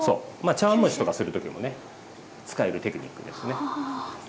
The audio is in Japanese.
茶わん蒸しとかする時もね使えるテクニックですね。